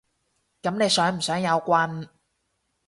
噉你想唔想有棍？